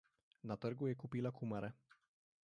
Na trgu je kupila kumare.